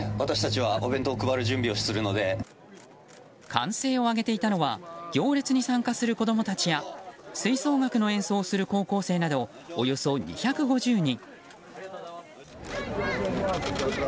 歓声を上げていたのは行列に参加する子供たちや吹奏楽の演奏をする高校生などおよそ２５０人。